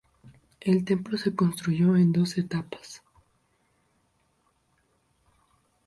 El templo se construyó en dos etapas.